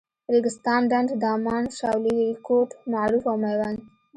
ریګستان، ډنډ، دامان، شاولیکوټ، معروف او میوند.